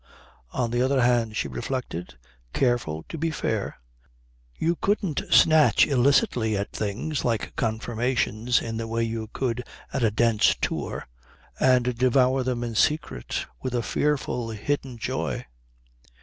On the other hand, she reflected, careful to be fair, you couldn't snatch illicitly at things like confirmations in the way you could at a Dent's Tour and devour them in secret with a fearful hidden joy.